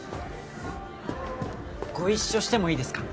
ご一緒してもいいですか？